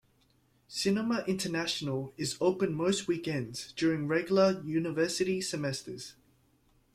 Cinema International is open most weekends during regular university semesters.